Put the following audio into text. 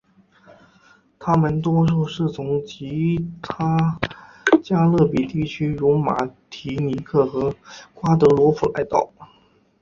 他们多数是从其他加勒比地区如马提尼克和瓜德罗普来到。